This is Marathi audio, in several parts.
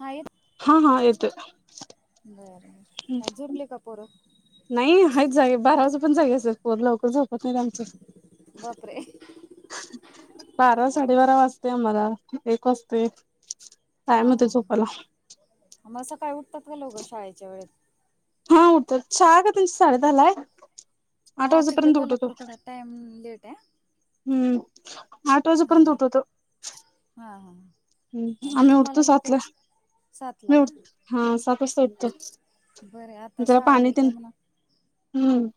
हा ये हा हा येतोय. बरं. काय झोपली का पोरं? नाही आहेच जागे बारा वाजुपर्यंत जागे असतात पोरं. लवकर झोपत नाहित आमच्यात. बापरे. बारा साडेबारा वाजतोय आम्हाला. एक वाजतोय. हा हा. मग सकाळी उठतात का लवकर शाळेच्या वेळेत? हा उठतात. शाळा काय त्यांची साडेदहाला हाय. हा तिकडे कोल्हापूरकडं टाइम लेट आहे. हम्म. आठ हा वाजुपर्यंत उठवतो. हा, हा. हम्म. आणि आम्ही उठतो तुम्हाला लवकर सातला. सातला मी का? उठ हा सात वाजता उठतो. बरं आता जरा शाळा पाणी लेट तेन. आहे म्हणा हम्म.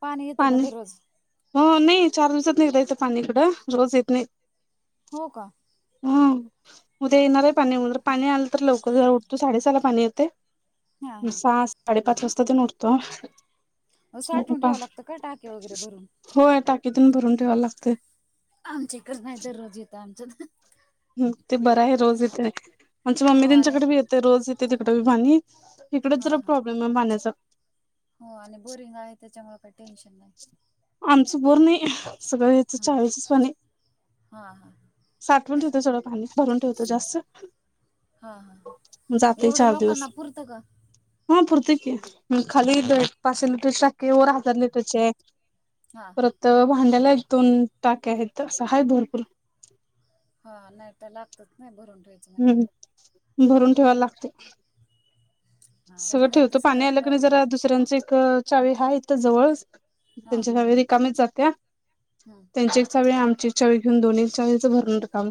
पाणी येतं का दररोज? हो, नाही चार दिवसांतन एकदा येत पाणी इकडं. रोज येत नाही. हो का. हम. उद्या येणार आहे पाणी. पाणी आलं तर लवकर जरा उठतो. साडेसहाला पाणी येतय. हा हा सहा, साडेपाच वाजता तेन उठतो. अ साठवून ठेवांव लागतं का, टाके वगैरे भरून? होय. टाकीतून भरून ठेवाय लागतंय. आमची इकडं नाही दररोज येतं आमच्यात. हम. ते बराय रोज येतेय. आमच्या हो मम्मी आणि त्यांच्याकडे बी येतय, रोज येतय तिकड बी पाणी. इकडंच हा जरा हा. प्रॉब्लेम आहे पाण्याचा. हो, आणि बोरिंग आहे त्याच्यामुळे, काही टेन्शन नाही. आमचं बोर नाही. सगळं याचं हा चावीचच पाणी. हा हा. साठवून ठेवतोय सोडा पाणी. भरून ठेवतोय जास्त. हा हा. जाते एवढ्या चार दिवस लोकांना पुरतं का? हा पुरतय की. खाली हा पाचशे लिटरची टाकी आहे. वर हजार लिटरची आहे. हा. परत भांड्याला एक दोन टाक्या आहेत. असं आहेत भरपूर. हा. नाहीतर लागत्यात नाही भरून ठेवाय. हम्म. भरून ठेवाय लागतंय. हा सगळं पुण्यात ठेवतो. तसं पाणी काही आल की नाही प्रॉब्लेम जरा दुसऱ्यांचं एक चावी हाय इथं जवळच. त्यांची चावी रिकामीच जात्या. हा. त्यांची एक चावी, आमची एक चावी घेऊन दोन्ही चावीच भरुन रिकामं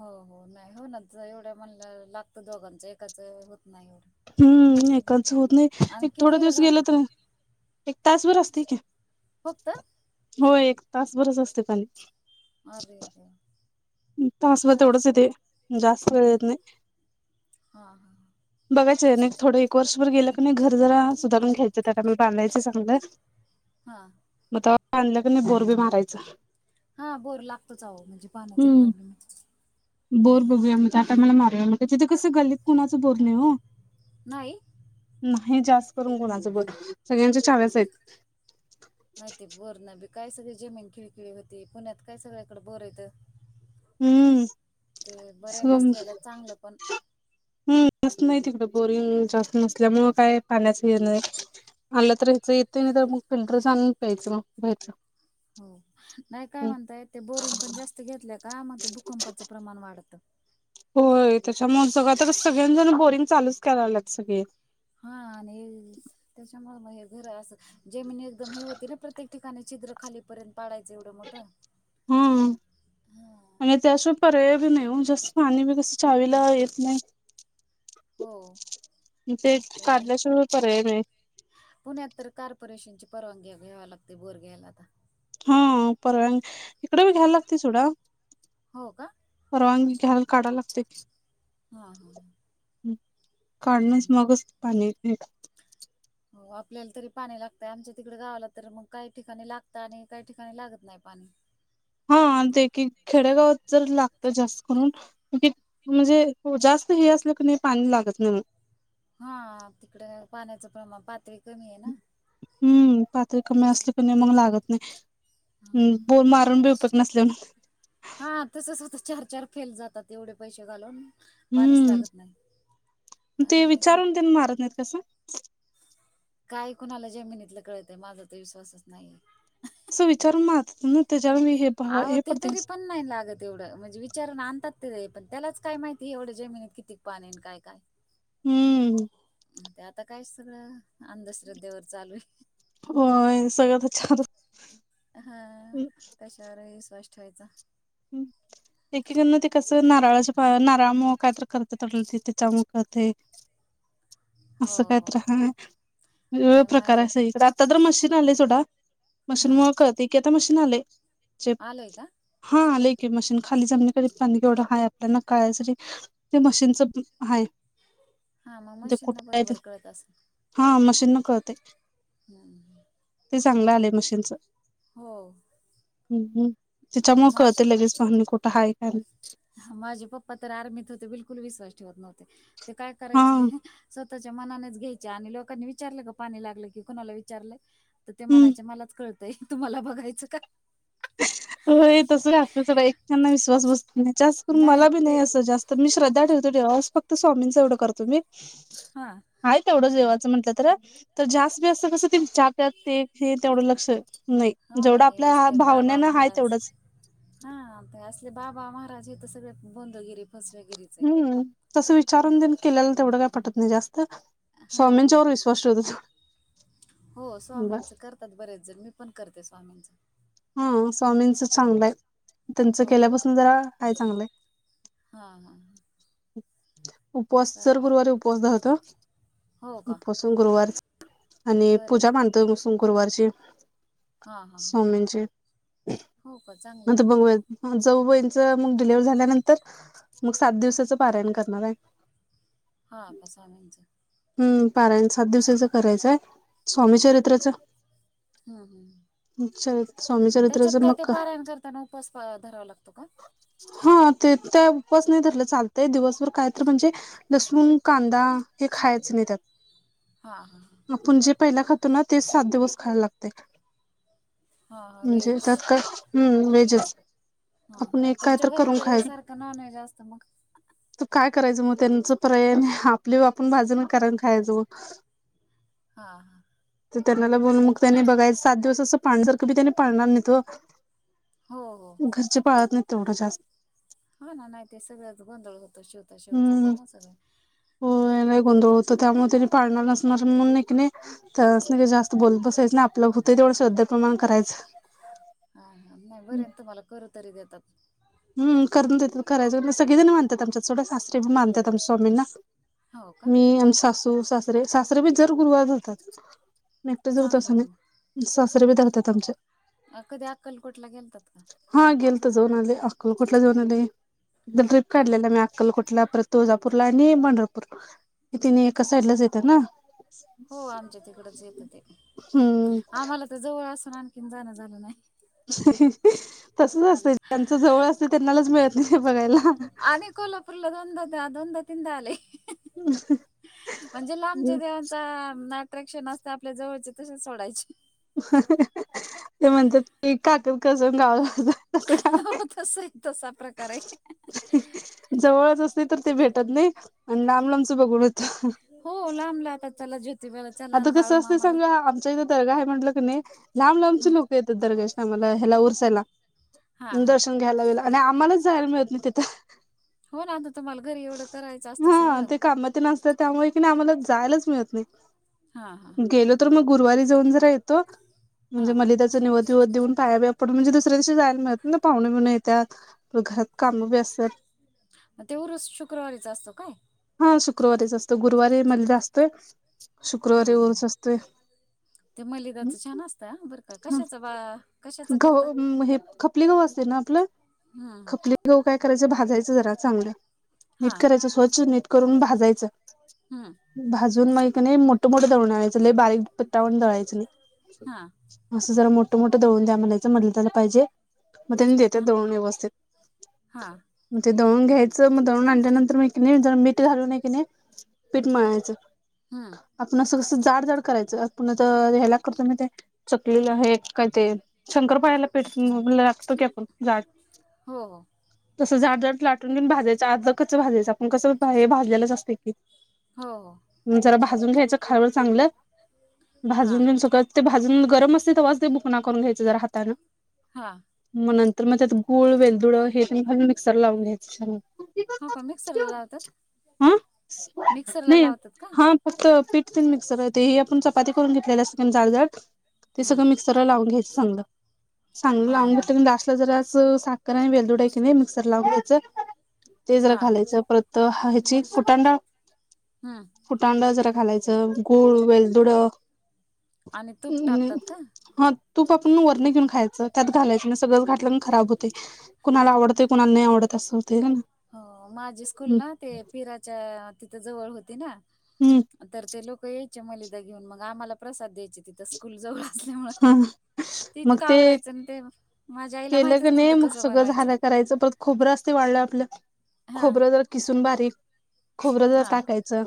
हो हो. नाही, हो ना. एवढ्या म्हणला लागतं दोघांचं एकाचं होत नाही एवढं. हम्म. एकांच होत नाही. आणि एक थोड किती वेळ दिवस गेल राहतं पण तर, एक तासभर असतय की. फक्त? होय एक तास भरच आसतयं पाणी. अरे देवा [unintelligible] तासभर बरंच तेवढच येतंय जास्त वेळ हम्म. येत नाही. हा हा. बघाचं आणि एक थोडं. वर्षभर गेल की ना घर जरा सुधारून घ्यायचं त्यात आणि बांधायच चांगलं. हा. मग तवा [unintelligible] बांधल की नाही बोर बी मारायचा. हा बोर लागतोच आहो म्हणजे पाण्याचा हम्म प्रॉब्लेमच हां. त्यात आम्हांला मारुया मग तिथं कसं गल्लीत [unintelligible] कोणाच बोर नाहीय ओ. नाही. नाही जास्त करून कोणाचं बोर सगळ्यांच्या चाव्याच आहेत. नाही ते बोर न बी काय सगळी जमीन खिळखिळी होती पुण्यात काय सगळ्याकड बोर [unintelligible] आहेत. हम्म ते बरंय नसलेला चांगलं पण हम् जास्त नाही तिकडं बोरिंग [unintelligible] जास्त नसल्यामुळं काय पाण्याचं हे नाही. आलं तर यायचं येतं नाही तर मग फिल्टर च आणून प्यायचं मग यायचं. हो नाही काय म्हणताय ते बोरिंग पण जास्त घेतलंय का मग ते भूकंपाचं प्रमाण वाढतं. होय त्याच्यामुळे सगळे तर सगळ्यांनीच बोरिंग चालूच करायला लागलेत सगळे. हा आणि त्याच्यामुळे मग हे घर असं जमीन एकदम हे होती ना प्रत्येक ठिकाणी. [unintelligible] ने छिद्र खाली पर्यंत पाडायचं एवढं मोठं. हम्म. आणि हा त्याशिवाय पर्याय बी नाही जास्त पाणी बी कस चावीला येत नाही. हो. ते ए, काढल्या शिवाय पर्याय नाही. पुण्यात तर कॉपोरेशनची परवानगी घ्या [unintelligible] घ्यावी लागते बोर घ्यायला आता. हा परवानगी इकडे बी घ्यायला लागते सोडा. हो का परवानगी घ्यायला काढायला लागते. हा हा काढूनच हम्म मगच पाणी इक. हो आपल्याला तरी पाणी लागतय आमच्या तिकडे गावाला तर मग काही ठिकाणी लागत आणि काही ठिकाणी लागत नाही पाणी. हा देखी खेडेगावात जर लागत जास्त करून. [unintelligible] म्हणजे जास्त हे असलं की नाही पाणी लागत नाही मग. हा तिकडे पाण्याचं प्रमाण पातळी कमी आहे ना. हम्म पातळी कमी असली का नाही मग लागत हा नाही बोल [unintelligible] मारून बी उपत नसल्या. हा तसच होत चार चार फेल जातात एवढे पैसे घालून. पाणीच हम्म लागत नाही ते आणि इकडं विचारून ते मारत नाहीत कसं काय कुणाला जमिनीतलं कळतं माझा तर विश्वासच नाही. अस विचारून मार म तेच्या वरण हे. [unintelligible] अहो ते पडते तरी पण नाही लागत. तेवढं म्हणजे विचार आणतात ते पण त्यालाच काय माहिती एवढ्या जमिनीत किती पाणी आणि काय काय. हम्म. आणि आता काय सगळं अंधश्रद्धेवर चालू आहे. होय अ सगळ् किती छान. हा. हम्. कशावर ही विश्वास ठेवायचा. हम्म. एकेकांना ते कसं नारळाचे नारळामुळं करतात त्याच्यामुळं होतंय. हो असं काय हो तर हाय. वेगवेगळे नाही प्रकार माझे सगळीकडं आता तर मशीन आलंय सोडा हा मशीनमुळे कळते. आता मशीन आलंय. आलंय का हा आलंय की मशीन खाली जमिनीपर्यंत पाणी केवढं हाय आपल्याला कळायसाठी ते मशीनच हाय. हा मग ते मशीनना कुठं हाय ते, बरोबर कळत असेल हा मशीन कळतेय. हम्म. ते चांगलं आलंय मशीनचं हो हं हं त्याच्यामुळे मा कळतंय लगेच पाणी कुठं हाय का नाही. माझे पप्पा तर आर्मीत होते बिलकुल विश्वास ठेवत नव्हते ते काय हा करायचे स्व तःच्या मनानेच घ्यायचे आणि लोकांनी विचारलं का पाणी लागलं की कुणाला विचारलं. ते हम्म म्हणायचे मलाच कळतंय तुम्हाला बघायचं का होय तसं असतं सगळं एकेकांना ना विश्वास बसत नाही, करून मला बी नाही असं जास्त मी श्रद्धा देवांवर ठेवतो फक्त स्वामींचं एवढं करतो मी हा तेवढं जेव्हाच जास्त म्हटलं तर तर जास्त दिवस असं कसं हे तेवढं लक्ष हो ना जेवढं आपल्या असले बाबा भावनेनं हाय महाराज तेवढंच हा ते असले बाबा महाराज हे तर सगळे भोंदूगिरी हम्म तसं विचारून तेन केल्याल तेवढं काय पटत नाही जास्त हा स्वामींच्यावर विश्वा स्पष्ट हो हो स्वामींच करतात बरेच जण मी पण करते स्वामींच हा स्वामींच चांगलंय त्यांचं हो केल्यापासून जरा हाय चांगलंय. हा हा हा उपवास दर गुरुवारी उपवास धरतो. हो का उपवास पण गुरुवारच आणि पूजा बरेच मांडतोय दर गुरुवारची. हां हां हां स्वामींचे हो का चांगलं आहे नंतर मग भाऊयेत जाऊ बाईचं मग डिलेव्हारी झाल्यानंतर मग सात दिवसाचं पारायण करणार हाय. हा आता स्वामींच हम् पारायण सात दिवसाचं करायचंय हं, स्वामीचरित्राच हं, हं. चर स्वामीचरित्राच मग काय त्यांना उपवास धरावा लागतो का. हा ते त्या उपवास नाही धरला चालतंय दिवसभर काय तर म्हणजे लसूण, कांदा हे खायचं नाही त्यात हां हां हां आपण जे पहिला खातो ना तेच सात दिवस खायला लागतंय. हां हां म्हणजे व्हेज त्यात काय हम्म व्हेजचं हा हा तुमच्या घरात तर सारखं नॉनव्हेज असतं मग म काय करायच त्यांचं पर्याय नाही, आपली बाजुला करून खायचं मग [unintelligible] हा हा तर त्यांनाला बोलून मग त्यानी बघायचं सात दिवस असं पाहण्यासारखं त्यांनी पाळणार नाहीत ओ हो हो घरचे पाळत नाहीत तेवढं जास्त हा ना नाही ते सगळंच गोंधळ होतं शिवता शिवत होते हम्म ना सगळं हा. होय लय गोंधळ त्यामुळे ते पाणार नसणार म्हणी नाही कि त्यास नी जास्त बोलत बसायच नाही आपल्या हो तर तेवढं शोध्या प्रमाण करायचं. हा- हा नाही बरं ये तुम्हाला करू तरी देतात. हम् करून देतात करायचं सगळेजण मानतात आमच्या सोडा सासरे पण मानतात आमचे स्वामींना. हो का मी आमचे सासू- सासरे, सासरे बी दर गुरुवार धरतात. मी एकटेच धरते चांगलं आहे असं ना नाही, सासरे बी धरतात आमचे अ कधी अक्कलकोटला गेलतात का? हा गेलंत जाऊन आले अक्कलकोट ला जाऊन आले, एकदा ट्रीप हा काढलेला आम्ही आक्क अक्कलकोटला परत तुळजापूरला आणि पंढरपूर ला हे तिनी एकाच हो साईडलाच येते ना. हो आमच्या तिकडचं येतं ते, हम्म आम्हाला तर जवळ असून आणखीन जाणं झालं नाही. तसचं असतंय ज्यांच जवळ असते त्यांनाच मिळत नाही बघायला. आम्ही कोल्हापूरला दोनंदा अ दोदा- तिंनदा आलोय. अं, हु. म्हणजे लांबच्या देवांचा अट्रॅक्शन असते, आपल्या जवळचे तशेच सोडायचे ते म्हणता कि काखेत कळंस अन् गावाला वळंस हो तसंये तसा प्रकार आहे. जवळच असते तर ते भेटत नाही, आणि लांब- लांबच बघून होतं. हो लांब ला आता चला ज्योतिबाला चला आता अन् बाळू कसं असते मामाला सांगा आमच्या इथं दर्गा आहे म्हटलं क नाही, लांब लांबचे हम्म लोक येतात दर्गाचे टाइमला ह्याला उरसायला. हा हा दर्शन घ्यायला वेळेला आणि आम्हालाच जायला मिळत नाही तिथं. हो ना आता तुम्हाला घरी एवढं करायचं असतं सगळं. कामतून आसं त्यामुळे की नई आम्हाला जायलाचं मिळत नाही. हा -हा. गेलो तर मग गुरुवारी जाऊन जरा येतो, म्हणजे हा मलिदाचा निवद विवद देऊन पाया बिया पण म्हणजे दुसऱ्या दिवशी जायला मिळत नाही ना, पावने- बिवने येत्यात परत घरात कामं बी असत्यात. म ते उरूस शुक्रवारीच असतो काय? हा शुक्रवारीच असतो, गुरुवारी मलिदा असतोय हम्म शुक्रवारी हम्म. उरूस असतोय. ते मलिदाच छान असतं आ बरं का हम, कशाचं बा कशाचं करतात गहु हे खपली गहू असते ना आपलं हम्म खपली गऊ काय करायचं, भाजयचं जरा चांगलं. नीट हां करायचं स्वच्छ नीट करून हम्म भाजायचं भाजून नई का नाइ मोठं -मोठं दळून आणायचं, लई बारीक पिटा वाणी दळायचं नाही. हा, असं जरा मोठं -मोठं दळून द्या म्हनायचं मलिदा ला पाहिजे, म तेन् देत्यात हां दळून व्यवस्थित. हां म ते दळून घ्यायचं, म दळून आणल्यानंतर म कि नई मिठ घालून नाई कणी पीठ मळायचं. हम्म आपण असं कसं जाड -जाड करायचं, आपण त ह्याला करतो ना ते चकलीला हे काय ते शंकरपाळ्याला पिठ लागतो की जाड हो हो तसं जाड -जाड लाटून बि भाजायं आर्ध कच्च भाजायचं, आपण कसं बी भाजलेलाच अस्तेय. हो, हो जरा भाजून घ्यायचं खवलं चांगलं हां भाजून घेऊन सगळ ते भाजून म असते तवाच ते बुकणा करून घ्यायचं जरा हातानं. हां मग नंतरन त्यात गुळ वेलदुडं हे तेन घालून मिक्सरला लावून घ्यायचं छान होतंय. हो का, मिक्सरला लावतात? आ मिक्सरला नाही लावतात का हा फक्त पीठ तेन मिक्सर ते हे आपण चपाती करून घेतलेलं असते ना जाड जाड ते हम्म सगळं मिक्सरला लावून घ्यायचं समदं, चांगलं हां लावून हां घेतलं क ज जरासं साखर आणि वेलदुडं हाय की नाय मिक्सर लावून घ्यायचं, ते जरा हां हां घालायचं परत त ह्याची फुटाण डाळ हम्म. फुटाण डाळ जरा घालायचं गुळ, वेलदुडं. आणि तूप हम्म टाकतात का हा तूप आपण वरनं घेऊन खायाचं, त्यात घालायचं नाय सगळंच घातलं की नाय खराब होतंय. कुणाला आवडतंय कुणाला नाही आवडत असं होतय ना मग. हो, माझी स्कूल ना ते पिराच्या तिथं जवळ होती ना. हम्म. तर ते लोकं यायचे मलिदा घेऊन, मग आम्हाला प्रसाद द्यायचे तिथं स कुल जवळ असल्यामुळं, ते इतकं आवडायचं आणि ते माझ्या आईला केलं क माहितच नाही नव्हतं मग कसं सगळं बनवायचं. झालं करायचं परत खोबरं असतंय वाळलं आपलं, हा खोबरं जर किसून बारीक खोबरं जरा हा टाकायचं,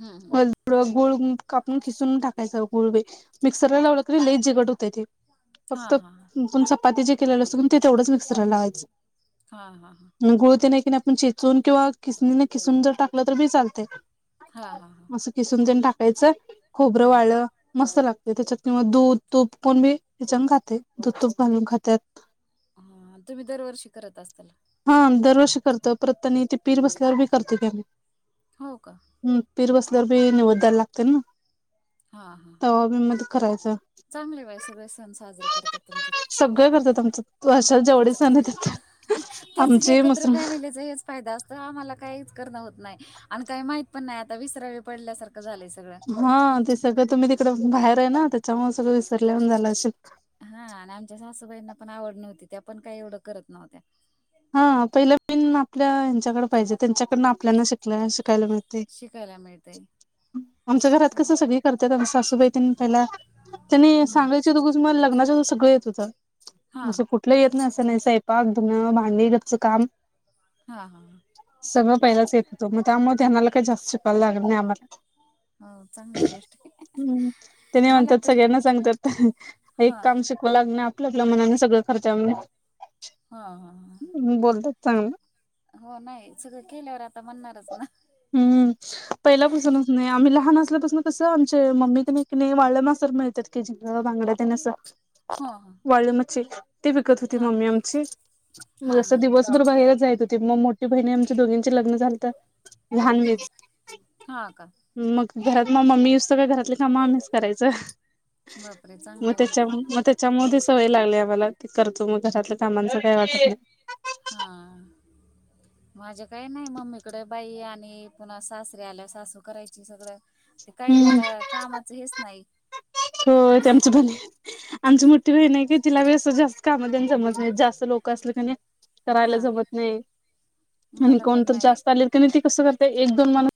हम्म हम्म [unintelligible] थोडं गुळ कापून खिसून टाकायचं, गुळ बी मिक्सरला लावलं की नाय लई चिकट होतंय ते. हा फक्त हा [unintelligible] चपाती जे केलेलं असतंय ते तेवढंच मिक्सरला लावायचं. हा हा हा. मग गुळ तेन हाय की नाही आपण चेचून किंवा किसणीने किसून जर टाकलं तर बी चालते. हा हा हा म किसून तेन टाकायचं, खोबरं हम्म वाळलं मस्त लागतंय त्याच्यात किंवा दूध तूप कोण बी ह्याच्यान खातंंय, दूध तूप घालून खात्यात. हा, तुम्ही दरवर्षी करत असताल? हा दरवर्षी करतो, परत त्यानी ते पीर बसल्यावर बी करतो की आम्ही. हो का? हम्म पीर बसल्यावर बी निवद द्यायला लागतं ना, तवा बी म‌ ती करायचा. चांगलंय बाय सगळे सण साजरे करतात तुमच्यात. सगळं करतात आमच्यात वर्षात जेवढे सण येतात तेच आमचे एकत्र मसर फॅमिलीचं हेच फायदा असतो, आम्हाला काहीच करणं होत नाही आणि काही माहित पण नाही, आता विसरावी पडल्यासारखं झालंय सगळं. हा ते सगळं तुम्ही तिकडं बाहेर आहे ना त्याच्यामुळे सगळं विसरल्यावानी झालं असेल. हा आणि आमच्या सासूबाईंना पण आवड नव्हती, त्या पण काही एवढं करत नव्हत्या. हा पहिलं पिण आपल्या यांच्याकडं पाहिजे, त्यांच्याकडनं आपल्या शिक ल्या शिकायला मिळतंय. शिकायला मिळ आमच्या घरात कसं सगळी करतात, आमची सासूबाई तेन पहिला त्यानी हम्म सांगायच्या अगोदर मला लग्नाच्या अदोगर सगळं येत होतं. हा. असं कुठलं येत नाही असं नाय सयंपाक, धुणं, भांडी घरचं काम हा हा हा. सगळं पहिलाच येत होतं, मग त्यामुळं ते आम्हाला काही जास्त शिकवायला लागत नाही, आम्हाला हो चांगली गोष्ट आहे हम्म, त्यानी मला म्हणतात तर सगळ्यांना सांगतात हा एक काम शिकवावं लागलं नाय, आपल्या आपल्या मनाने सगळं करत्या म्हणून. हा हा हा. बोलतात चांगलं. हो नाही सगळं केल्यावर आता म्हणणारच ना. हम्म पहिल्यापासूनच नाही आम्ही लहान असल्यापासून कसं आमचे मम्मी तेकनाही वाळ मासर मिळत्यात. त्याच्यात जेनी बांगडा तेन असं हो हो वाळ्ळी मच्छी ते विकत होती हा मम्मी आमची मग हा अस हा दिवस कुटतर बाहेरच जायची होती मग मोठी बहिणी आम दोघांचे लग्न झालती. लहान हम्म मीच हा का की मग घरात मग मम्मीत का घरातले त्यामुळे आम्हीच करायच बापरे चांगलं मग आहे ना त्यांच्यामुळे मग त्या त्याच्यामध्ये सवय आम्हाला करतो मग घरातल्या कामांच काही वाटत नाही. हां माझ्या काही नाही मम्मीकडे बाई आणि पुन्हा सासरीे आल्या सासू करायची सगळं. ते काही हम्म मला कामाचं हेच नाही. हो ते आमचं [unintelligible] आमची मोठी बहीण आहे की तिला वे असत जास्त काम देन समज नाही जास्त लोक असल क नाही. हा करायला जमत नाही आणि मला पण कोणतर नाही जास्त आलेल की नाही ते कसं करत एक दोन माणस